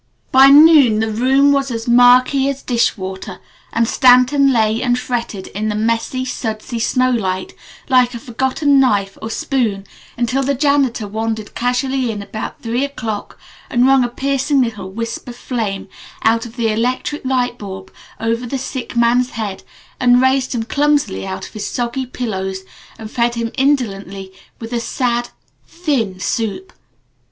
By noon the room was as murky as dish water, and Stanton lay and fretted in the messy, sudsy snow light like a forgotten knife or spoon until the janitor wandered casually in about three o'clock and wrung a piercing little wisp of flame out of the electric light bulb over the sick man's head, and raised him clumsily out of his soggy pillows and fed him indolently with a sad, thin soup.